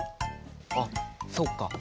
あっそっか。